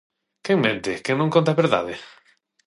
¿Quen mente?, ¿quen non conta a verdade?